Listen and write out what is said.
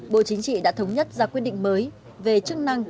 bộ chính trị đã thống nhất ra quyết định mới về chức năng